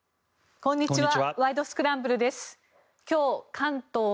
こんにちは。